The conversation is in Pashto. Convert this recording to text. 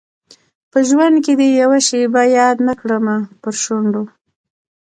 په ژوند کي دي یوه شېبه یاد نه کړمه پر شونډو